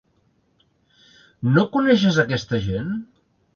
No coneixes aquesta gent?